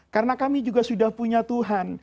karena kami juga sudah punya tuhan